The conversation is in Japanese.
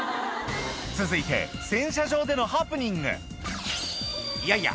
続いて洗車場でのハプニングいやいや